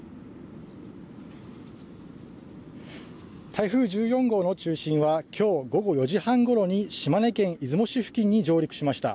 台風１４号の中心は今日午後４時半ごろに島根県出雲市付近に上陸しました。